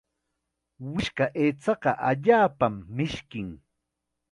Wishka aychaqa allaapam mishkin.